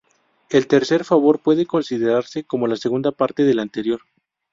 El tercer favor puede considerarse como la segunda parte del anterior.